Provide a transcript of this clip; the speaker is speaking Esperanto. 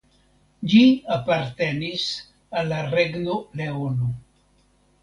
Ĝi apartenis al la Regno Leono.